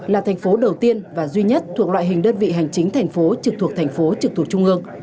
là thành phố đầu tiên và duy nhất thuộc loại hình đơn vị hành chính thành phố trực thuộc thành phố trực thuộc trung ương